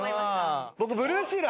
僕ブルーシール